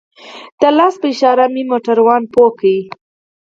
د لاس په اشاره مې موټروان پوه کړ.